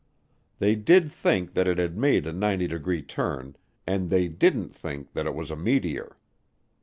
They did think that it had made a 90 degree turn and they didn't think that it was a meteor.